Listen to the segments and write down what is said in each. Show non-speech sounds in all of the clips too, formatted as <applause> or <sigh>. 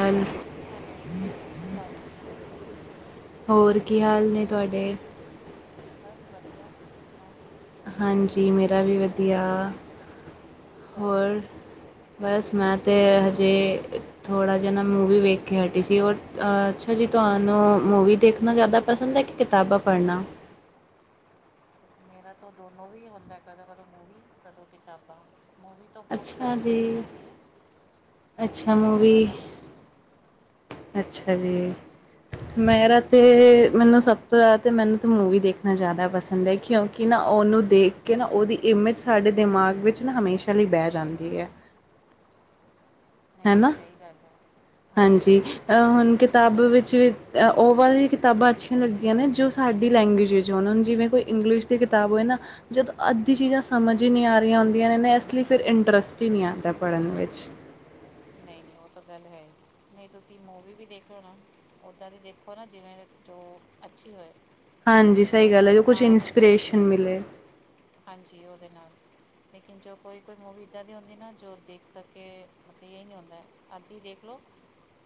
ਹਾਲ hello ਸਤਿ ਸ਼੍ਰੀ ਅਕਾਲ ਜੀ ਹੋਰ ਕੀ ਹਾਲ ਨੇ ਕਿਵੇਂ ਹੋ ਤੁਹਾਡੇ ਬਸ ਵਧੀਆ ਤੁਸੀਂ ਸੁਣਾਓ ਹਾਂਜੀ ਮੇਰਾ ਵੀ ਵਧੀਆ ਕੀ ਕਰਦੇ ਹੋਰ ਬਸ ਮੈਂ ਤਾਂ ਹਜੇ ਥੋੜ੍ਹਾ ਜਿਹਾ ਨਾ ਮੂਵੀ ਵੇਖ ਕੇ ਹਟੀ ਸੀ ਉਹ ਅਹ ਅੱਛਾ ਜੀ ਤੁਹਾਨੂੰ ਮੂਵੀ ਦੇਖਣਾ ਜ਼ਿਆਦਾ ਪਸੰਦ ਹੈ ਕਿ ਕਿਤਾਬਾਂ ਪੜ੍ਹਨਾ ਮੇਰਾ ਤਾਂ ਦੋਨੋਂ ਵੀ ਹੁੰਦਾ ਕਦੋਂ ਕਦੇੋਂ ਮੂ ਵੀ ਕਦੋਂ ਕਿਤਾਬਾਂ ਮੂਵੀ ਤੋਂ ਬੋਤ ਅੱਛਾ ਘੱਟ ਜੀ ਦੇਖੀ ਜਾਂਦੀ ਹੈ ਅੱਛਾ ਮੂਵੀ ਜ਼ਿਆਦਾ ਤਾਂ ਨਹੀਂ ਅੱਛਾ ਜੀ ਮੇਰਾ ਤੇ ਨਹੀਂ- ਮੈਨੂੰ ਸਭ ਤੋਂ ਜ਼ਿਆਦਾ ਮੈਨੂੰ ਤਾਂ ਮੂਵੀ ਦੇਖਣਾ ਜ਼ਿਆਦਾ ਪਸੰਦ ਹੈ ਕਿਉਂ ਕਿ ਨਾ ਉਹਨੂੰ ਦੇਖ ਕੇ ਨਾ ਉਹਦੀ ਇਮੇਜ ਸਾਡੇ ਦਿਮਾਗ ਵਿੱਚ ਨਾ ਹਮੇਸ਼ਾ ਲਈ ਬੈ ਜਾਂਦੀ ਹੈ ਨਹੀਂ ਹੈ ਨਹੀਂ ਨਾ ਸਹੀ ਗੱਲ ਹੈ ਹਾਂਜੀ ਹੁਣ ਕਿਤਾਬ ਵਿੱਚ ਬਰਾਬਰ ਵੀ ਓ ਵਾਲੀ ਕਿਤਾਬਾਂ ਅੱਛੀਆਂ ਲੱਗਦੀਆਂ ਨੇ ਜੋ ਸਾਡੀ ਲੈਂਗੁਏਜ ਵਿੱਚੋਂ ਹੁਣ ਜਿਵੇਂ ਕੋਈ ਇੰਗਲਿਸ਼ ਦੀ ਕਿਤਾਬ ਹੋਏ ਨਾ ਜਦੋਂ ਅੱਧੀ ਚੀਜ਼ਾਂ ਸਮਝ ਹੀ ਨਹੀਂ ਆ ਰਹੀਆਂ ਹੁੰਦੀਆਂ ਨੇ ਨਾ ਇਸ ਲਈ ਫਿਰ ਇੰਨਟਰਸਟ ਹੀ ਨਹੀਂ ਆਂਦਾ ਪੜ੍ਹਨ ਵਿੱਚ ਨਹੀਂ ਨਹੀਂ ਉਹ ਤਾਂ ਗੱਲ ਹੈ ਹੀ ਨਹੀਂ ਤੁਸੀਂ ਮੂਵੀ ਵੀ ਦੇਖ ਲਓ ਨਾ ਉੱਦਾਂ ਦੀ ਦੇਖੋ ਨਾ ਜਿਵੇਂ ਜੋ ਅੱਛੀ ਹੋਏ ਹਾਂਜੀ ਸਹੀ ਗੱਲ ਇੱਦਾਂ ਹੈ ਦੀ ਜੋ ਕੁਛ ਮਾਰ ਇੰਸਪੀਰੇਸ਼ਨ ਮਿਲੇ ਹਾਂਜੀ ਉਹਦੇ ਨਾਲ ਲੇਕਿਨ ਜੋ ਕੋਈ ਕੋਈ ਮੂਵੀ ਇੱਦਾਂ ਦੀ ਹੁੰਦੀ ਨਾ ਜੋ ਦੇਖ ਸਕ ਅਤੇ ਇਹ ਨਹੀਂ ਹੁੰਦਾ ਅੱਧੀ ਦੇਖ ਲਓ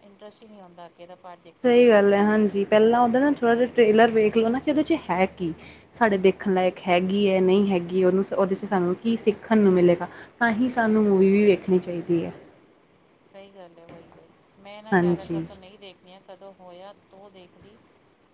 ਇੰਨਟਰਸਟ ਹੀ ਨਹੀਂ ਹੁੰਦਾ ਅੱਗੇ ਤਾਂ ਪਾਰਟੀ ਦੇਖਣ ਦਾ ਸਹੀ ਗੱਲ ਹੈ ਹਾਂਜੀ ਪੈਲਾਂ ਤਾਂ ਓਦਾ ਥੋੜਾ ਜਿਹਾ ਟ੍ਰੇਲਰ ਵੇਖ ਲਓ ਨਾ ਕਿ ਉਹਦੇ ਚ ਹੈ ਕੀ ਸਾਡੇ ਦੇਖਣ ਲਾਇਕ ਹੈਗੀ ਹੈ ਨਹੀਂ ਹੈਗੀ ਉਹਨੂੰ ਸ ਉਹਦੇ 'ਚ ਸਾਨੂੰ ਕੀ ਸਿੱਖਣ ਨੂੰ ਮਿਲੇਗਾ ਤਾਂ ਹੀ ਸਾਨੂੰ ਮੂਵੀ ਵੀ ਵੇਖਣੀ ਚਾਈਦੀ ਹੈ ਸਹੀ ਗੱਲ ਹੈ ਵਹੀ ਬਾਈ ਮੈਂ ਨਾ ਜ਼ਿਆਦਾਤਰ ਹਾਂਜੀ ਤੋਂ ਨਹੀਂ ਦੇਖਦੀਆਂ ਕਦੋਂ ਹੋਇਆ ਤੂੰ ਦੇਖਦੀ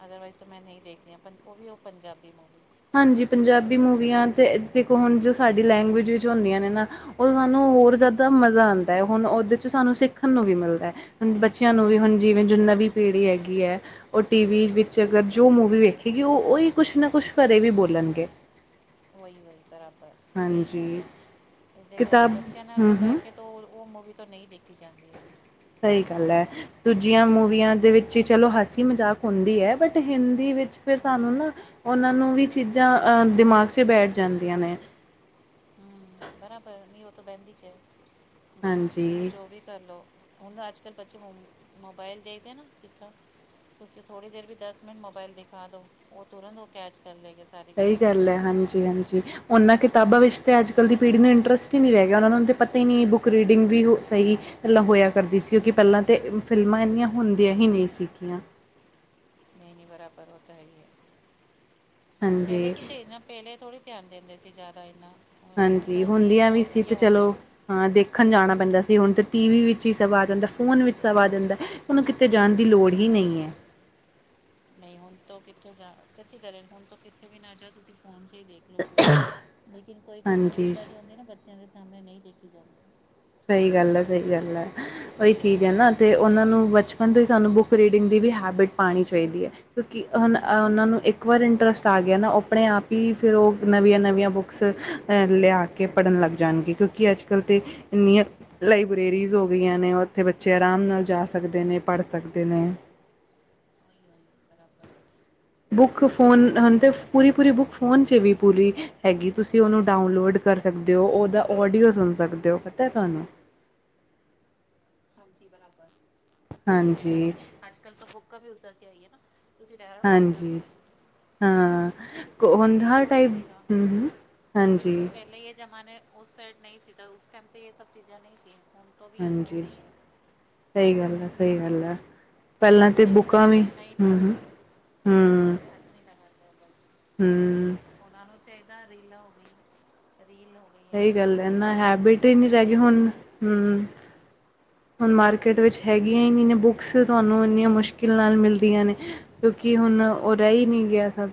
ਅਦਰਵਾਈਜ਼ ਮੈਂ ਨਹੀਂ ਦੇਖਦੀ ਹਾਂ ਉਹ ਵੀ ਉਹ ਪੰਜਾਬੀ ਮੂਵੀ ਹਾਂਜੀ ਤਾਂ ਪੰਜਾਬੀ ਦੂਜੀ ਮੂਵੀਆਂ ਤੇ ਦੇਖੋ ਹੁਣ ਜੋ ਸਾਡੀ ਲੈਂਗੁਏਜ ਵਿੱਚ ਹੁੰਦੀਆਂ ਨੇ ਨਾ ਉਹ ਸਾਨੂੰ ਹੋਰ ਜ਼ਿਆਦਾ ਮਜ਼ਾ ਆਂਦਾ ਹੈ ਹੁਣ ਉਹਦੇ ਚ ਸਾਨੂੰ ਸਿੱਖਣ ਨੂੰ ਵੀ ਮਿਲਦਾ ਹੈ ਹੁ ਬੱਚਿਆਂ ਨੂੰ ਵੀ ਹੁਣ ਜਿਵੇਂ ਜੋ ਨਵੀਂ ਪੀੜ੍ਹੀ ਹੈਗੀ ਹੈ ਉਹ ਟੀ ਵੀ ਵਿੱਚ ਅਗਰ ਜੋ ਮੂਵੀ ਵੇਖੇਗੀ ਉਹ ਉਹਹੀ ਕੁਛ ਨਾ ਕੁਛ ਘਰੇ ਵੀ ਬੋਲਣਗੇ ਉਹੀ ਵਹੀ ਬਰਾਬਰ ਸਹੀ ਗਲ ਹਾਂਜੀ ਹੈ ਇਸੇ ਕਰਕੇ ਕਿਤਾਬ ਬੱਚਿਆਂ ਨਾਲ ਹੂੰ ਤਾਂ ਬੈ ਹੂੰ ਕੇ ਤ ਉਹ ਮੂਵੀ ਤੋਂ ਨਹੀਂ ਦੇਖੀ ਜਾਂਦੀ ਹੈ ਸਹੀ ਗੱਲ ਹੈ ਦੂਜੀਆਂ ਮੂਵੀਆਂ ਦੇ ਵਿੱਚ ਹੀ ਚਲੋ ਹਾਸੀ ਮਜ਼ਾਕ ਹੁੰਦੀ ਹੈ ਬਟ ਹਿੰਦੀ ਵਿੱਚ ਫਿਰ ਸਾਨੂੰ ਨਾ ਉਹਨਾਂ ਨੂੰ ਵੀ ਚੀਜ਼ਾਂ ਦਿਮਾਗ 'ਚ ਬੈਠ ਜਾਂਦੀਆਂ ਨੇ ਹੂੰ ਬਰਾਬਰ ਨੀ ਉਹ ਤੋਂ ਬੈਂਦੀ ਚ ਗੱਲਾਂ ਤੁਸੀਂ ਹਾਂਜੀ ਜੋ ਵੀ ਕਰਲਓ ਹੁਣ ਅੱਜ ਕੱਲ੍ਹ ਬੱਚੇ ਮ ਮੋਬਾਇਲ ਦੇਖਦੇ ਨਾ ਜਿੱਦਾ ਤੁਸੀਂ ਥੋੜੀ ਦੇਰ ਵੀ ਦਸ ਮਿੰਟ ਮੋਬਾਇਲ ਦਿਖਾ ਦੋ ਉਹ ਤੁਰੰਤ ਉਹ ਕੈਚ ਕਰਾਂਗੇ ਸਾਰੇ ਸਹੀ ਗੱਲ ਹੈ ਹਾਂਜੀ ਹਾਂਜੀ ਉਹਨਾਂ ਕਿਤਾਬਾਂ ਵਿੱਚ ਤਾਂ ਅੱਜ ਕੱਲ੍ਹ ਦੀ ਪੀੜ੍ਹੀ ਨੂੰ ਇੰਟਰਸਟ ਹੀ ਨਹੀਂ ਰਹਿ ਗਿਆ, ਉਹਨਾਂ ਨੂੰ ਤਾਂ ਪਤਾ ਹੀ ਨਹੀਂ ਬੁੱਕ ਰੀਡਿੰਗ ਵੀ ਹੋ ਸਹੀ ਪਹਿਲਾਂ ਹੋਇਆ ਕਰਦੀ ਸੀ, ਕਿਉਂਕਿ ਪਹਿਲਾਂ ਤਾਂ ਫਿਲਮਾਂ ਇੰਨੀਆਂ ਹੁੰਦੀਆਂ ਹੀ ਨਹੀਂ ਸਿਗਿਆਂ ਨਹੀਂ ਬਰਾਬਰ ੳ ਤਾਂ ਹੈ ਹੀ, ਪਹਿਲੇ ਹਾਂਜੀ ਕਿਤੇ ਨਾ ਪਹਿਲੇ ਥੋੜੀ ਧਿਆਨ ਦਿੰਦੇ ਸੀ ਜ਼ਿਆਦਾ ਇੰਨਾ ਹੁਣ- ਹੁਣ ਹਾਂਜੀ, ਤੋਂ ਹੁੰਦੀਆਂ ਵੀ ਬਹੁਤ ਸੀ ਇਹ ਤੇ ਹੋ ਗਿਆ ਚਲੋ ਨਾ ਹਾਂ ਦੇਖਣ ਜਾਣਾ ਪੈਂਦਾ ਸੀ, ਹੁਣ ਤਾਂ ਟੀ ਵੀ ਵਿੱਚ ਹੀ ਸਭ ਆ ਜਾਂਦਾ, ਫੋਨ ਵਿੱਚ ਸਭ ਆ ਜਾਂਦਾ ਹੁਣ ਕਿਤੇ ਜਾਣ ਦੀ ਲੋੜ ਹੀ ਨਹੀਂ ਹੈ। ਨਹੀਂ ਹੁਣ ਤੋ ਕਿੱਥੇ ਜਾਣਾ, ਸੱਚੀ ਗੱਲ ਹੈ ਹੁਣ ਤੋ ਕਿੱਥੇ ਵੀ ਨਾ ਜਾੳ, ਤੁਸੀ ਫੋਨ ਚ ਹੀ ਦੇਖ ਪੂਰਾ, ਲੇਕਿਨ ਕੋਈ- ਕੋਈ ਮੂਵੀ ਹਾਂਜੀ ਇੱਦਾਂ ਦੀ ਹੁੰਦੀ ਨਾ, ਬੱਚਿਆਂ ਦੇ ਸਾਹਮਣੇ ਨਹੀਂ ਦੇਖੀ ਜਾਂਦੀ। ਸਹੀ ਗੱਲ ਐ। ਸਹੀ ਗੱਲ ਐ। ਉਹਹੀ ਚੀਜ਼ ਹੈ ਨਾ, ਤੇ ਉਹਨਾਂ ਨੂੰ ਬਚਪਨ ਤੋਂ ਹੀ ਸਾਨੂੰ ਬੁੱਕ ਰੀਡਿੰਗ ਦੀ ਵੀ ਹੈਬਿਟ ਪਾੳਣੀ ਚਾਹੀਦੀ ਹੈ। ਕਿਉਂਕਿ ਹੁਣ ਉਹਨਾਂ ਨੂੰ ਇੱਕ ਵਾਰ ਇੰਟਰਸਟ ਆ ਗਿਆ ਨਾ, ੳਹ ਅਪਣੇ ਆਪ ਹੀ ਫਿਰ ਉਹ ਨਵੀਆਂ ਨਵੀਆਂ ਬੁੱਕਸ ਲਿਆ ਕੇ ਪੜਨ ਲੱਗ ਜਾਣਗੇ, ਕਿਉਂਕਿ ਅੱਜ ਕੱਲ ਤੇ ਇੰਨੀਆਂ ਲਾਈਬ੍ਰੇਰੀਜ਼ ਹੋ ਗਈਆਂ ਨੇ, ਉੱਥੇ ਬੱਚੇ ਆਰਾਮ ਨਾਲ ਜਾ ਸਕਦੇ ਨੇ, ਪੜ ਸਕਦੇ ਨੇ। ਉਹੀ ਉਹੀ ਬਰਾਬਰ ਨਹੀਂ ਬੁੱਕ ਮੇਰਾ ਵੀ ਕਹਿਣਾ ਫੋਨ ਉਹੀ ਹੁਣ ਹੈ ਤੇ ਪੂਰੀ- ਪੂਰੀ ਬੁੱਕ ਫੋਨ ਚ ਵੀ ਪੂਰੀ ਹੈਗੀ, ਤੁਸੀਂ ਉਹਨੂੰ ਡਾਊਨਲੋਡ ਕਰ ਸਕਦੇ ਔ, ਉਹਦਾ ਔਡੀਓ ਸੁਣ ਸਕਦੇ ਔ, ਪਤਾ ਹੈ ਤੁਹਾਨੂੰ। ਹਾਂਜੀ ਬਰਾਬਰ, ਹੈਗਾ ਨਾ। ਹਾਂਜੀ, ਅੱਜ ਕੱਲ੍ਹ ਤਾਂ ਬੁੱਕਾਂ ਵੀ ਉਧਾਂ ਦੀ ਆਈਆਂ ਹੈ ਨਾ। ਤੁਸੀਂ ਡਾਇਰੈਕਟ ਆਡੀਓ ਸੁਣ ਹਾਂਜੀ, ਲਓ ਹਾਂ ਹਾਂ ਪਹਿਲੇ ਇਹ ਕੋਵਂਦਾ ਥੋੜੀ ਟਾਈਪ ਸੀਗਾ ਹੂੰ ਹੂੰ ਹਾਂਜੀ। ਪਹਿਲੇ ਇਹ ਜ਼ਮਾਨੇ ਉਸ ਸਾਈਡ ਨਹੀਂ ਸੀ। ਉਸ ਟਾਈਮ ਤੇ ਇਹ ਸਭ ਚੀਜ਼ਾਂ ਨਹੀਂ ਸੀ। ਹਾਂਜੀ, ਸਹੀ ਗੱਲ ਏ। ਸਹੀ ਗੱਲ ਏ। ਉਹ ਵੀ ਲੇਕਿਨ ਬੱਚੇ ਨਹੀਂ ਪਢ਼ਦੇ, ਉਹ ਵੀ ਬੱਚੇ ਹੱਥ ਨਹੀਂ ਲਗਾਂਦੇ ਹੂ। ਉਹਨਾਂ ਨੂੰ ਚਾਹੀਦਾ ਰੀਲਾਂ ਹੋ ਗਈ ਰੀਲ ਹੋ ਗਈ ਹੈ, ਸਹੀ ਗੱਲ ਜਿਵੇਂ ਯੂਟਿਊਬ ਦੇਖ ਲੋ ਹੂ ਹੁਣ ਮਾਰਕੀਟ ਵਿੱਚ ਹੈਗੀਆਂ ਹੀ ਨਹੀਂ ਨੇ ਬੁੱਕਸ, ਤੁਹਾਨੂੰ ਇੰਨੀਆਂ ਮੁਸ਼ਕਿਲ ਨਾਲ ਮਿਲਦੀਆਂ ਨੇ ਕਿਉਂਕਿ ਹੁਣ ਉਹ ਰਹ ਹੀ ਨਹੀਂ ਗਿਆ ਸਭ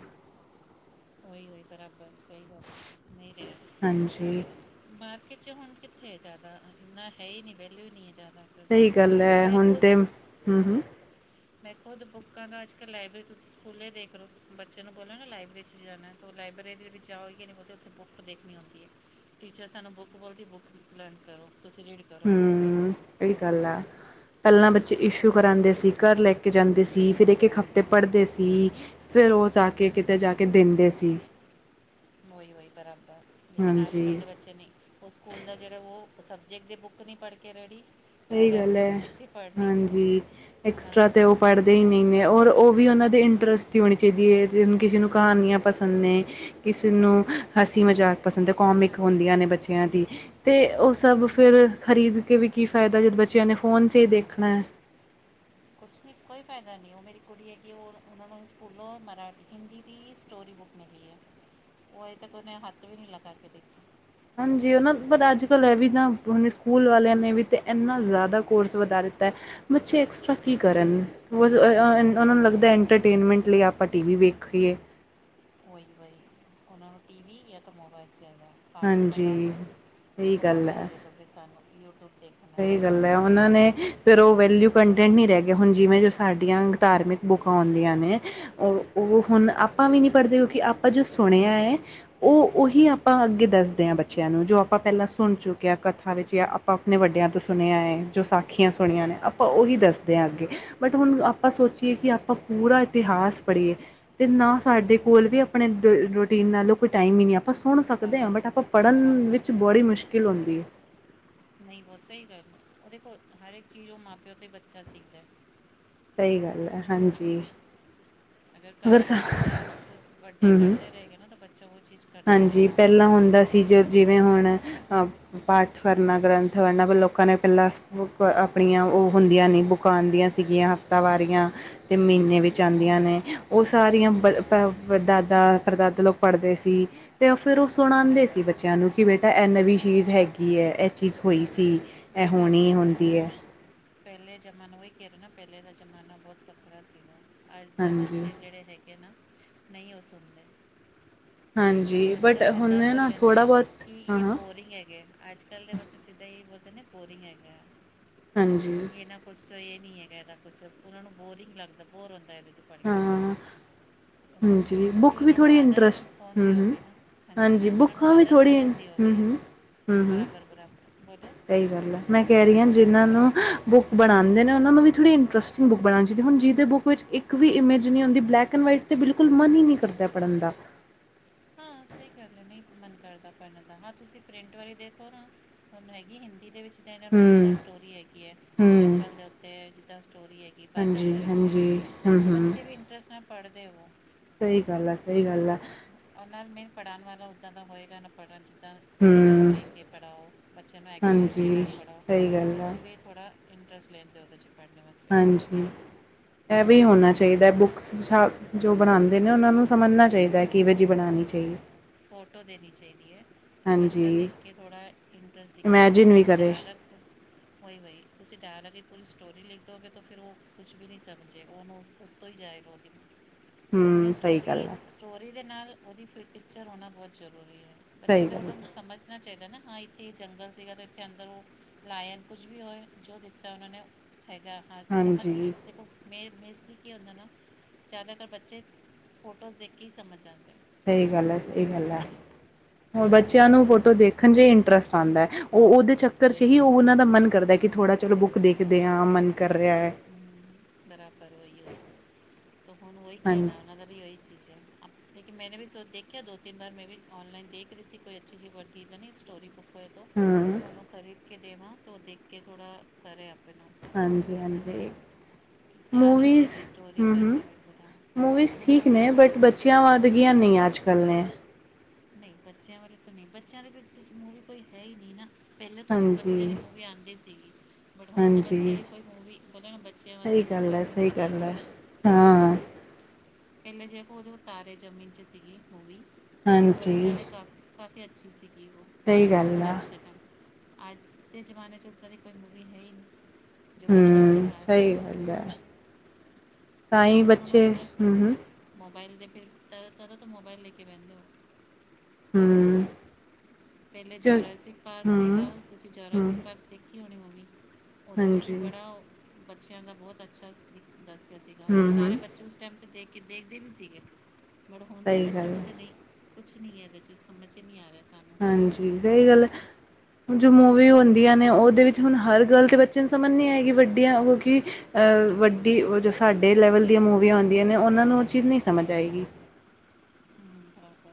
ਉਹੀ ਉਹੀ ਬਰਾਬਰ ਸਹੀ ਗੱਲ ਏ, ਨਹੀ ਰਿਹਾ। ਹਾਂਜੀ। ਮਾਰਕਿਟ ਚ ਹੁਣ ਕਿੱਥੇ ਹੈ ਜ਼ਿਆਦਾ, ਨਾ ਹੈ ਹੀ ਨਹੀਂ ਵੈਲਿਊ ਨਹੀ ਹੈ ਜ਼ਿਆਦਾ। ਫਿਰ ਤਾਂ ਸਹੀ ਗੱਲ ਏ। ਮੈਂ ਹੁਣ ਖੁਦ ਤੇ, ਹੂ ਹੂ ਮੈਂ ਖੁਦ ਬੁੱਕਾਂ ਦਾ ਅੱਜ ਕੱਲ ਲਾਇਬ੍ਰੇਰੀ, ਤੁਸੀ ਸਕੂਲੇ ਦੇਖ ਲੋ, ਬੱਚਿਆਂ ਨੂੰ ਬੋਲੋ ਨਾ ਲਾਇਬ੍ਰੇਰੀ ਚ ਜਾਣਾ ਲਾਈਬ੍ਰੇਰੀ ਦੇ ਵਿੱਚ ਜਾਓ ਗੀ ਨਹੀਂ, ਬੋਲਦੀ ਉੱਥੇ ਬੁੱਕ ਦੇਖਣੀ ਹੁੰਦੀ ਏ। ਟੀਚਰ ਸਾਨੂੰ ਬੁੱਕ ਬੋਲਦੀ ਬੁੱਕ ਲਰਣ ਕਰੋ, ਤੁਸੀਂ ਰੀਡ ਕਰੋ ਹੂ ਏਹੀ ਗੱਲ ਆ। ਪਹਿਲਾਂ ਬੱਚੇ ਇਸ਼ੂ ਕਰਾਉਂਦੇ ਸੀ, ਘਰ ਲੈ ਕੇ ਜਾਂਦੇ ਸੀ, ਫਿਰ ਇੱਕ- ਇੱਕ ਹਫ਼ਤੇ ਪਢ਼ਦੇ ਸੀ। ਫਿਰ ੳਹ ਜਾ ਕੇ ਕਿਤੇ ਜਾ ਕੇ ਦਿੰਦੇ ਸੀ। ੳਹੀ ੳਹੀ ਬਰਾਬਰ, ਲੇਕਿਨ ਅੱਜ ਕੱਲ ਹਾਂਜੀ। ਦੇ ਬੱਚੇ ਨਈ ਉਸ ਸਕੂਲ ਦਾ ਜਿਹੜੇ ਉਹ ਸਬਜੈਕਟ ਦੇ ਬੁੱਕ ਨਹੀਂ ਪਢ਼ ਕੇ ਰੈਡੀ ਉਹ ਸਹੀ ਗੱਲ ਲਾਇਬ੍ਰੇਰੀ ਏ, ਦੀ ਕਿੱਥੇ ਪੜ੍ਹਨੀ ਹਾਂਜੀ। ਉਹਨਾਂ ਐਕਸਟਰਾ ਨੇ ਤੇ ਉਹ ਪਢ਼ ਨਹੀ ਨਹੀਂ ਔਰ ਉਹ ਵੀ ਉਹਨਾਂ ਦੇ ਇੰਟਰਸਟ ਦੀ ਹੋਣੀ ਚਾਹੀਦੀ ਹੈ। ਜਿਨ ਕੂ ਜਿਨੂ ਕਹਾਨੀਆਂ ਪਸੰਦ ਨੇ, ਕਿਸੇ ਨੂੰ ਹਸੀ ਮਜ਼ਾਕ ਪਸੰਦ ਏ, ਕੋਮਿਕ ਹਸੀ ਹੁੰਦੀਆਂ ਨੇ ਮਜ਼ਾ ਬੱਚੇ ਬੱਚਿਆਂ ਦੀ, ਤੇ ਉਹ ਸਭ ਫੇਰ ਖ਼ਰੀਦ ਕੇ ਵੀ ਕੀ ਫਾਇਦਾ, ਜਦ ਬੱਚਿਆਂ ਨੇ ਫੋਨ ਚ ਹੀ ਦੇਖਣਾ ਏ। ਕੁਛ ਨੀ ਕੋਈ ਫਾਇਦਾ ਨਈ ਓ ਮੇਰੀ ਕੁੜੀ ਹੈਗੀ ਏ, ਓ ਓਨਾਂ ਨੂੰ ਸਕੂਲੋਂ ਮਰਾਠੀ, ਹਿੰਦੀ ਦੀ ਸਟੋਰੀ ਬੁੱਕ ਮਿਲੀ ਏ, ਓ ਅੱਜੇ ਤੱਕ ਓਨੇ ਹੱਥ ਵੀ ਨੀ ਲਗਾ ਕੇ ਦੇਖੀ। ਹਾਂਜੀ, ਓ ਨਾ ਪਰ ਅੱਜ ਕੱਲ੍ਹ ਐ ਵੀ ਨਾ ਹੁਨ ਸਕੂਲ ਵਾਲਿਆਂ ਨੇ ਵੀ ਤਾਂ ਏਨਾ ਜਾਦਾ ਕੋਰਸ ਵਧਾ ਦਿੱਤਾ ਐ। ਬੱਚੇ ਐਕਸਟਰਾ ਕੀ ਕਰਨ। <unintelligible> ਓਨਾਂ ਨੂੰ ਲੱਗਦਾ ਏੰਟਰਟੇਨਮੈਂਟ ਲਈ ਆਪਾਂ ਟੀ ਵੀ ਵੇਖੀਏ। ਵੋਈ ਵਈ ਓਨਾਂ ਨੂੰ ਟੀ ਵੀ ਯਾ ਤਾਂ ਮੋਬਾਇਲ ਚਾਈਦਾ। ਕਾਰਟੂਨ ਲਗਾ ਹਾਂਜੀ ਦੋ ਯਾ ਸਹੀ ਤੋ ਮੋਬਾਇਲ ਦੇ ਦੋ ਫਿਰ ਸਾਨੂੰ ਯੂਟਿਊਬ ਦੇਖ ਸਈ ਗੱਲ ਐ। ਓਨਾਂ ਨੇ ਫਿਰ ਓ ਵੈਲਿਊ ਕੰਟੈਂਟ ਨੀ ਰਹਿ ਗਯਾ ਹੁਨ ਜਿਵੇਂ ਜੋ ਸਾਡੀਆਂ ਧਾਰਮਿਕ ਬੁੱਕਾਂ ਹੁੰਦੀਆਂ ਨੇ ਓ ਓਹ ਹੁਨ ਆਪਾਂ ਵੀ ਨੀ ਪੜ੍ਹਦੇ ਕਿਉਂਕਿ ਆਪਾਂ ਜੋ ਸੁਣਿਆ ਏ ਓ ਓਹੀ ਆਪਾਂ ਅੱਗੇ ਦੱਸਦੇ ਆਂ ਬੱਚਿਆਂ ਨੂੰ ਜੋ ਆਪਾਂ ਪਹਿਲਾਂ ਸੁਨ ਚੁੱਕੇ ਆਂ ਕਥਾ ਵਿੱਚ ਯਾ ਆਪਾਂ ਅਪਨੇ ਵੱਡਿਆਂ ਤੋਂ ਸੁਨੇਆ ਏ ਜੋ ਸਾਖੀਆਂ ਸੁਣੀਆਂ ਨੇ ਆਪਾਂ ਓਹੀ ਦੱਸਦ ਦੇ ਅੱਗੇ ਬਟ ਹੁਨ ਆਪਾਂ ਸੋਚੀਏ ਕਿ ਆਪਾਂ ਪੂਰਾ ਇਤਿਹਾਸ ਪੜ੍ਹੀਏ ਤੇ ਨਾ ਸਾਡੇ ਕੋਲ ਵੀ ਅਪਣੇ ਰੂਟੀਨ ਨਾਲੋਂ ਕੋਈ ਟਾਈਮ ਹੀ ਨੀ ਆਪਾਂ ਸੁਣ ਸਕਦੇ ਆਂ ਬਟ ਆਪਾਂ ਪੜ੍ਹਨ ਵਿੱਚ ਬੜੀ ਮੁਸ਼ਕਿਲ ਹੁੰਦੀ ਏ। ਨਈ ਬੋਤ ਸਈ ਗੱਲ ਓ ਦੇਖੋ ਹਰ ਇੱਕ ਚੀਜ਼ ਓ ਮਾਂ ਪਿਓ ਤੇ ਬੱਚਾ ਸਿੱਖਦਾ। ਸਈ ਗੱਲ ਐ ਹਾਂਜੀ। ਅਗਰ ਘਰ 'ਚ ਅਪਨੇ ਵੱਡੇ ਹੂੰ ਹੂੰ ਕਰਦੇ ਰਏਗੇ ਨਾ ਤਾਂ ਬੱਚਾ ਓ ਚੀਜ਼ ਕੰਟੀਨਿਊ ਹਾਂਜੀ ਕਰਦਾ ਪਹਿਲਾਂ ਹੁੰਦਾ ਸੀ ਜੋ ਜਿਵੇਂ ਹੁਣ ਆ ਪਾਠ ਕਰਨਾ, ਗ੍ਰੰਥ ਪੜ੍ਹਨਾ ਪਰ ਲੋਕਾਂ ਨੇ ਪਹਿਲਾਂ ਆਪਣੀਆਂ ਓ ਹੁੰਦੀਆਂ ਨੀ ਬੁਕ ਕਾਂ ਆਂਦੀਆਂ ਸੀਗੀਆਂ ਹਫ਼ਤਾ ਵਾਰੀਆਂ। ਤੇ ਮੀਨੇ ਵਿੱਚ ਆਂਦੀਆਂ ਨੇ ਹੂੰ ਓ ਸਾਰੀਆਂ <unintelligible> ਦਾਦਾ ਪਰਦਾਦਾ ਲੋਕ ਪੜ੍ਹਦੇ ਸੀ। ਤੇ ਫਿਰ ਓ ਸੁਣਾਉਂਦੇ ਬਰਾਬਰ ਸੀ ਬੱਚਿਆਂ ਨੂੰ ਕਿ ਬੇਟਾ ਐ ਨਵੀਂ ਚੀਜ਼ ਹੈਗੀ ਐ, ਐ ਚੀਜ਼ ਹੋਈ ਸੀ। ਐ ਪਹਿਲਾਂ ਹੋਣੀ ਉਹ ਹੁੰਦੀ ਐ। ਪਹਿਲੇ ਜਮਾਨਾ ਵੋਈ ਕਹ ਰੀ ਹੁਂ ਨਾ ਪਹਿਲੇ ਦਾ ਜ਼ਮਾਨਾ ਬੋਤ ਵੱਖਰਾ ਸੀਗਾ। ਅੱਜ ਦੇ ਹਾਂਜੀ ਬੱਚੇ ਜੇੜੇ ਹੈਗੇ ਨਾ ਨਈ ਓ ਸੁਨਦੇ। ਹਾਂਜੀ ਅੱਜ ਬਟ ਕੱਲ੍ਹ ਹੁਣ ਸਿੱਧਾ ਬੋਲ ਨਾ ਥੋੜ੍ਹਾ ਦੇਂਦੇ ਬਹੁਤ ਕਿ ਹਾਂ ਏ ਹਾਂ ਬੋਰਿੰਗ ਹੈਗੇ। ਅੱਜ ਕੱਲ੍ਹ ਦੇ ਬੱਚੇ ਸਿੱਧਾ ਏਈ ਬੋਲਦੇ ਨਾ ਬੋਰਿੰਗ ਹੈਗਾ। ਹਾਂਜੀ। ਏਨਾਂ ਕੁਛ <unintelligible> ਨੀ ਹੈਗਾ ਏਦਾ ਕੁਛ ਓਨਾਂ ਨੂੰ ਬੋਰਿੰਗ ਲੱਗਦਾ ਬੋਰ ਹੁੰਦਾ ਏਦੇ ਪੜ੍ਹ ਕੇ। ਹਾਂ ਹਾਂਜੀ ਕਿਉਂਕਿ ਬੁੱਕ ਵੀ ਓਨਾਂ ਨੂੰ ਥੋੜ੍ਹੀ ਆਦਤ ਇੰਟਰਸਟ ਹੁਨ ਫੋਨ ਦੀ ਹੂੰ ਹੋ ਹੂੰ ਗਈ ਨਾ, ਹਾਂਜੀ ਓਨਾਂ ਨੂੰ ਬੁੱਕਾਂ ਵੀ ਆਦਤ ਥੋੜ੍ਹੀ ਫੋਨ ਦੀ ਹੋ ਗਈ ਹੂੰ ਹੂੰ ਏ। ਬਰਾਬਰ-ਬਰਾਬਰ ਬੋਲੋ। ਸਈ ਗੱਲ ਆ ਮੈਂ ਕਹਿ ਰਹੀ ਆਂ ਜਿਨ੍ਹਾਂ ਨੂੰ ਬੁੱਕ ਬਣਾਦੇ ਓਨਾਂ ਨੂੰ ਵੀ ਥੋੜ੍ਹੀ ਇੰਟਰਸਟਿੰਗ ਬੁੱਕ ਬਣਾਣੀ ਚਾਈਦੀ ਹੁਣ ਜਿਦੇ ਬੁੱਕ ਵਿੱਚ ਇੱਕ ਵੀ ਇਮਜ ਨੀ ਹੁੰਦੀ ਬਲੈਕ ਐਂਡ ਵਾਈਟ ' ਬਿਲਕੁਲ ਮਨ ਹੀ ਨੀ ਕਰਦਾ ਪੜ੍ਹਨ ਦਾ। ਹਾਂ ਸਈ ਗੱਲ ਐ, ਨਈ ਮਨ ਕਰਦਾ ਪੜ੍ਹਨ ਦਾ ਹਾਂ ਤੁਸੀਂ ਪ੍ਰਿੰਟ ਵਾਲੀ ਦੇਖੋ ਨਾ ਹੁਨ ਹੈਗੀ ਹਿੰਦੀ ਦੇ ਵਿੱਚ <unintelligible> ਹੂੰ ਸਟੋਰੀ ਹੈਗੀ ਐ, ਹੂੰ ਜੰਗਲ ਦੇ ਉੱਤੇ ਜਿੱਦਾਂ ਸਟੋਰੀ ਏ। ਕੀ ਬਦਲ ਹਾਂਜੀ ਦੇ ਉਥੇ ਹਾਂਜੀ ਹੂੰ ਤੋਂ ਬੱਚੇ ਵੀ ਇੰਟਰੇਸਟ ਨਾਲ ਪੜ੍ਹਦੇ ਓ। ਸਈ ਗੱਲ ਐ, ਸਈ ਗੱਲ ਐ। ਔਰ ਨਾਲ ਮੇਨ ਪੜ੍ਹਾਨ ਵਾਲਾ ਉੱਦਾਂ ਦਾ ਹੋਏਗਾ ਨਾ ਪੜ੍ਹਨ ਜਿਦਾ ਇੰਟਰਸਟ ਹੂੰ ਲੇ ਕੇ ਪੜ੍ਹਾਓ, ਬੱਚਿਆਂ ਨੂੰ ਐਕਸ਼ਨ ਦੇ ਹਾਂਜੀ ਨਾਲ ਪੜ੍ਹਾਓ, ਸਹੀ ਤੋਂ ਗੱਲ ਆ ਬੱਚੇ ਵੀ ਥੌੜਾ ਇੰਟਰਰੇਸਟ ਲੈਨਗੇ ਓਦੇ 'ਚ। ਪੜ੍ਹਨੇ ਵਾਸ ਹਾਂਜੀ ਐਵੇਂ ਈ ਹੋਨਾ ਤੁਸੀਂ ਚਾਈਦਾ ਬੁੱਕ ਜੋ ਬਣਾਉਂਦੇ ਨੇ ਉਹਨਾਂ ਨੂੰ ਸਮਝਣਾ ਚਾਹੀਦਾ ਹੈ ਕਿਵੇ ਜਿਹੀ ਬਣਾਉਣੀ ਚਾਹੀਏ। ਫੋਟੋ ਦੇਣੀ ਚਾਹੀਦੀ ਹੈ। ਕਿ ਬੱਚਾ ਹਾਂਜੀ ਦੇਖ ਕੇ ਥੋ੍ਹਾ ਇੰਟਰਸਟ ਦਿਖਾਏ ਇਮੈਜਿਨ ਵੀ ਤੁਂ ਕਰੇ ਡਾਇਰੈਕਟ। ਉਹੀ ਵ ਤੁਸੀਂ ਡਰ ਲਗੇ ਪੂਰੀ ਸਟੋਰੀ ਲਿਖ ਦੋਗੇ ਤਾਂ ਫਿਰ ਉਹ ਕੁਛ ਵੀ ਨਹੀਂ ਸਮਝੇ ਉਹਨੂੰ ਉਸ ਤੋਂ ਹੀ ਜਾਏਗਾ। <unintelligible> ਕਿਵੇਂ ਹਮ ਸਹੀ ਸਟੋਰੀ ਗੱਲ ਹੈ ਸਟੋਰੀ ਦੇ ਨਾਲ ਉਹਦੀ ਪ ਪਿਕਚਰ ਹੋਣਾ ਬਹੁਤ ਜ਼ਰੂਰੀ ਹੈ। ਬੱਚੇ ਸਹੀ ਨੇ ਗੱਲ ਉਧਰ ਹੈ ਸਮਝ। ਚਾਹੀਦਾ ਨਾ ਹਾਂ ਇੱਥੇ ਜੰਗਲ ਸੀਗਾ ਅਤੇ ਇੱਥੇ ਅੰਦਰ ਉਹ ਲਾਇਨ ਕੁਝ ਵੀ ਹੋਏ ਜੋ ਦਿੱਤਾ ਉਹਨਾਂ ਨੇ। ਹੈਗਾ ਹਾਂ ਸਮਝ ਹਾਂਜੀ ਦੇਖੋ। ਮੇ ਮੇ ਸੀ ਕਿ ਉਹਨਾਂ ਨਾਲ ਜ਼ਿਆਦਾਤਰ ਬੱਚੇ ਫੋਟੋਜ਼ ਦੇਖ ਕੇ ਹੀ ਸਮਝ ਆਦੇ। ਸਹੀ ਗੱਲ ਹੈ ਸਹੀ ਗੱਲ ਹੈ ਹੋਰ ਆ। ਅੱਜ ਦਾ ਬੱਚਿਆਂ ਨੂੰ ਇੱਦਾਂ ਹੈਗਾ ਫੋਟੋ ਦੇਖਣ 'ਚ ਇੰਟਰਸਟ ਆਉਂਦਾ। ਉਹ ਉਹਦੇ ਚੱਕਰ 'ਚ ਹੀ ਉਹ ਉਹਨਾਂ ਦਾ ਮਨ ਕਰਦਾ ਕਿ ਥੋੜ੍ਹਾ ਚਲੋ ਬੁੱਕ ਦੇਖਦੇ ਹਾਂ ਮਨ ਕਰ ਰਿਹਾ ਹੈ। ਹੰਮ ਬਰਾਬਰ ਉਹੀ ਹੈ ਹੁਣ ਉਹੀ ਹਾਂਜੀ ਕਹਿਣਾ ਉਹਨਾਂ ਦਾ ਵੀ ਉਹੀ ਚੀਜ਼ ਹ <unintelligible> ਲੇਕਿਨ ਮੈਨੇ ਵੀ ਸ ਦੇਖਿਆ ਦੋ ਤਿੰਨ ਬਾਰ ਮੈਂ ਵੀ ਔਨਲਾਈਨ ਦੇਖਹੀ ਸੀ ਕੋਈ ਅੱਛੀ ਜੀ ਵਰਤੀ ਤਾਂ ਨਹੀਂ ਸਟੋਰੀ ਬੁੱਕ ਹੋ ਹਾਂ ਉਹਨੂੰ ਖਰੀਦ ਕੇ ਦੇਵਾਂ ਤਾਂ ਉਹ ਦੇਖ ਕੇ ਥੋੜਾ ਕਰੇ ਆਪਣਾ ਹਾਂਜੀ ਹਾਂਜੀ। ਮੂਵੀਜ਼ ਹੰਮ ਹੰਮ ਮੂਵੀਜ਼ ਹੁਣ ਠੀਕ ਨੇ ਮੂਵੀਜ਼ ਦੇ ਬਟ ਬੱਚੇ ਹੱਚੀਆਂ ਵੱਧਗੀਆਂ ਨਹੀਂ ਅੱਜ ਕੱਲ ਨੇ। ਨਹੀਂ ਬੱਚਿਆਂ ਵੱਲ ਕੋ ਨਹੀਂ ਬੱਚਿਆਂ ਦੇ ਮੂਵੀ ਕੋਈ ਹੈ ਹੀ ਨਹੀਂ ਨਾ। ਪਹਿਲੇ ਤੋਂ ਵੀ ਬੱਚਿਆਂ ਦੀ ਹਾਂਜੀ ਮੂਵੀ ਆਉਂਦੀ ਸੀਗੀ। ਬਟ ਹੁਣ ਤਾਂ ਬੱਚਿਆਂ ਹਾਂਜੀ ਦੀ ਕੋਈ ਮੂਵੀ ਬੋਲਣਾ ਬੱਚਿਆਂ ਸਹੀ ਵਾਸਤੇ ਗੱਲ ਕੋਈ ਹੈ ਸਹੀ ਮੂਵੀ ਨਹੀਂ ਗੱਲ ਹੈ। ਹਾਂ। ਪਹਿਲੇ ਜੇਕੋ ਉਹਦੇ ਤਾਰੇ ਜ਼ਮੀਨ 'ਚ ਸੀਗੀ ਮੂਵੀ ਉਹ ਬੱਚਿਆਂ ਹਾਂਜੀ ਦੇ ਕਾ ਕਾਫੀ ਅੱਛੀ ਸੀ। ਕਿ ਸਹੀ ਉਹ ਉਸ ਗੱਲ ਆ ਟਾਈਮ ਦੇ ਟਾਈਮ ਅੱਜ ਦੇ ਜ਼ਮਾਨੇ 'ਚ ਇੱਦਾਂ ਦੀ ਕੋਈ ਮੂਵੀ ਹੈ ਨਹੀਂ। ਜੋ ਬੱਚਿਆਂ ਨੂੰ ਹਮ ਦਿਖਾਏ ਸਹੀ ਗੱਲ ਹੈ ਤਦੋਂ ਹੀ ਤਾਂ ਉਹਨਾਂ ਨੂੰ ਬੱਚੇ ਇੰਟਰਸਟ ਹਮ ਨਹੀਂ। ਹਮ ਮੋਬਾਇਲ ਦੇ ਫਿਰ ਤ ਤਰੋ ਤੋਂ ਮੋਬਾਇਲ ਲੈ ਕੇ ਬਹਿੰਦੇ ਹੋ। ਹੰਮ। ਪਹਿਲੇ ਜੋਰਾਸਿਕ ਪਾਰਕ ਹਮ ਸੀਗਾ ਤੁਸੀਂ ਹਮ ਜੋਰਾਸਿਕ ਪਾਰਕਸ ਦੇਖੀ ਹੋਣੀ ਮੂਵੀ। ਉਹਦੇ 'ਚ ਵੀ ਹਾਂਜੀ ਬੜਾ ਬੱਚਿਆਂ ਦਾ ਬਹੁਤ ਅੱਛਾ ਦੱਸਿਆ ਸੀਗਾ ਉਹ ਹਮ ਸਾਰੇ ਹਮ ਬੱਚੇ ਬੱਚੇ ਉਸ ਟਾਈਮ 'ਤੇ ਦੇਖ ਕੇ ਦੇਖਦੇ ਵੀ ਸੀਗੇ ਮੜ ਹੁਣ ਦੇ ਸਹੀ ਬੱਚੇ ਗੱਲ ਕੋਲ ਤਾਂ ਨਹੀਂ ਕੁਛ ਨਹੀਂ ਹੈ ਇਦੇ ਚ ਸਮਝ 'ਚ ਨਹੀਂ ਆ ਰਿਹਾ ਸਾਨੂੰ ਹਾਂਜੀ ਸਹੀ ਗੱਲ ਹੈ ਜੋ ਮੂਵੀ ਹੁੰਦੀਆਂ ਨੇ ਉਹਦੇ ਵਿੱਚ ਹੁਣ ਹਰ ਗੱਲ ਤੇ ਬਚਿਆਂ ਸਮਝ ਨਹੀਂ ਆਏਗੀ ਵੱਡੀਆਂ ਉਹ ਕਿ ਵੱਡੀ ਉਹ ਜੋ ਸਾਡੇ ਲੈਵਲ ਦੀਆਂ ਮੂਵੀਆਂ ਆਉਂਦੀਆਂ ਨੇ ਉਹਨਾਂ ਨੂੰ ਚੀਜ਼ ਨਹੀਂ ਸਮਝ ਆਏਗੀ। ਹੰਮ ਹੋ।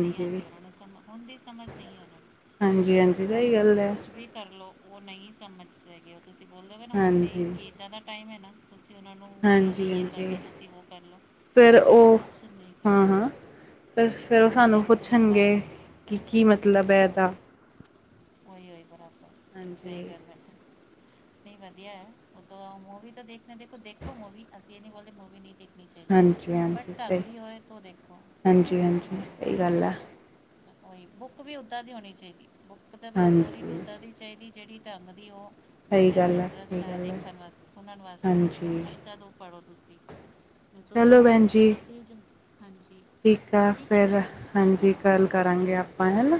ਨਹੀਂ ਆਉਂਦੀ ਉਹਨਾਂ ਨੂੰ ਸਮਝ ਹੁਣ ਦੀ ਸਮਝ ਨਹੀਂ ਹੈ ਉਹਨਾਂ ਨੂੰ ਹਾਂਜੀ ਹਾਂਜੀ ਹੁਣ ਸਹੀ ਗੱਲ ਤੁਸੀਂ ਹੈ ਕੁੱਝ ਵੀ ਕਰ ਲਉ ਉਹ ਨਹੀਂ ਸਮਝ ਸਕਗੇ ਉਹ ਤੁਸੀਂ ਬੋਲੋਗੇ ਹੁਣ ਵੀ ਹਾਂਜੀ, ਕਿ ਇੱਦਾਂ ਦਾ ਟਾਈਮ ਹੈ ਨਾ ਤੁਸੀਂ ਉਹਨਾਂ ਨੂੰ ਬੋਲੋ ਹਾਂਜੀ, ਨਹੀਂ ਇਹ ਕਰ ਹਾਂਜੀ ਲਓ ਤੁਸੀਂ ਉਹ ਕਰ ਲਓ ਫਿਰ ਉਹਨਾਂ ਨੇ ਕੁਛ ਨਹੀਂ ਕਰਨਾ। ਫ ਫਿਰ ਉਹ ਉਹਨਾਂ ਨੇ ਸਾਨੂੰ ਆਪਣਾ ਮੋਬਾਈਲ ਪੁੱਛਣਗੇ ਕਿ ਕੀ ਮਤਲਬ ਹੈ ਇਹਦਾ। ਉਹੀ ਹੋਈ ਬਰਾਬਰ ਸਹੀ ਹਾਂਜੀ, ਗੱਲ ਹੈ। ਨਹੀਂ ਵਧੀਆ ਹੈ ਉਹ ਤਾਂ ਮੂਵੀ ਤਾਂ ਦੇਖਦੇ ਦੇਖੋ ਦੇਖੋ ਮੂਵੀ ਅਸੀਂ ਇਹ ਨਹੀਂ ਬੋਲਦੇ ਮੂਵੀ ਨਹੀਂ ਦੇਖਣੀ ਚਾਹੀਦੀ ਹਾਂਜੀ, ਹਾਂਜੀ ਬਟ ਢੰਗ ਸਹੀ ਦੀ ਹੋਏ ਤੋਂ ਦੇਖੋ। ਹਾਂਜੀ, ਹਾਂਜੀ ਸਹੀ ਗੱਲ ਹੈ ਉਹੀ ਬੁੱਕ ਵੀ ਉਦਾਂ ਦੀ ਹੋਣੀ ਚਾਹੀਦੀ ਬੁੱਕ ਦਾ ਵੀ ਸਟੋਰੀ ਵੀ ਹਾਂਜੀ ਓਦਾਂ ਦੀ ਚਾਹੀਦੀ ਜਿਹੜੀ ਢੰਗ ਦੀ ਉਹ। ਸਹੀ ਬੱਚਿਆਂ ਨੂੰ ਗੱਲ ਹੈ, ਸਹੀ ਇੰਟਰਸਟ ਆਇਆ ਗੱਲ ਹੈ ਦੇਖਣ ਵਾਸਤੇ ਸੁਣਨ ਵਾਸਤੇ ਹਾਂਜੀ ਉਹ ਜਦੋਂ ਪੜ੍ਹੋ ਤੁਸੀਂ ਚਲੋ ਤੋਂ ਭੈਣ ਜੀ ਮਤਲਬ ਦੇ ਜ ਹਾਂਜੀ ਆ ਠੀਕ ਹੈ ਫਿਰ ਚਲੋ ਹਾਂਜੀ ਗੱਲ ਕਰਾਂਗੇ ਆਪਾਂ ਹੈਨਾ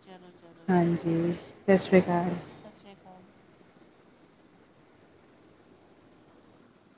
ਚਲੋ ਚਲੋ ਜੀ ਓਕੇ ਹਾਂਜੀ ਸਤਿ ਸ਼੍ਰੀ ਅਕਾਲ ਸਤਿ ਸ਼੍ਰੀ ਅਕਾਲ